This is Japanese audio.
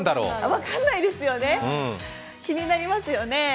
分かんないですよね、気になりますよね？